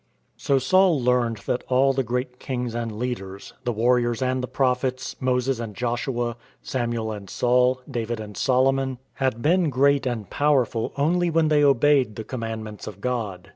So Saul learned that all the great kings and leaders, the warriors and the prophets, Moses and Joshua, Samuel and Saul, David and Solomon, had been great 36 IN TRAINING and powerful only when they obeyed the command ments of God.